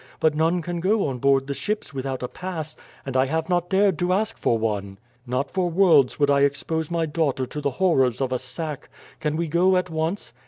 But none can go on board the ships without a pass, and I have not dared to ask for one. Not for worlds would I expose my daughter to the horrors of a sack. Can we go at once?"